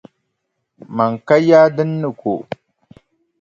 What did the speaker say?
Mani ka yaa din ni ko.